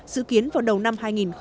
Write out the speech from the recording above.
dự kiến vào đầu năm hai nghìn một mươi bảy